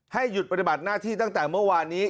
หยุดปฏิบัติหน้าที่ตั้งแต่เมื่อวานนี้